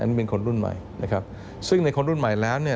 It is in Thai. เป็นคนรุ่นใหม่นะครับซึ่งในคนรุ่นใหม่แล้วเนี่ย